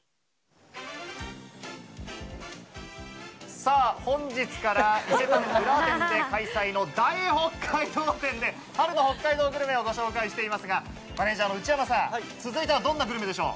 さぁ本日から伊勢丹浦和店で開催している大北海道展で春の北海道グルメをご紹介してますが、マネージャーの内山さん、続いてはどんなグルメでしょう？